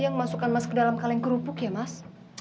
yang masukkan masuk ke dalam kaleng kerupuk ya mas